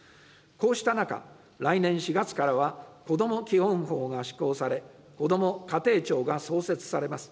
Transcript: こうした中、来年４月からはこども基本法が施行され、こども家庭庁が創設されます。